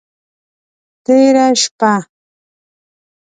تیره شپه…